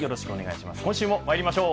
今週もまいりましょう。